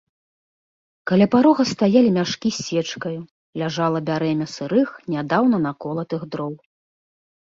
Каля парога стаялі мяшкі з сечкаю, ляжала бярэмя сырых, нядаўна наколатых дроў.